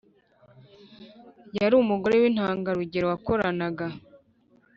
Yari umugore w intangarugero wakoranaga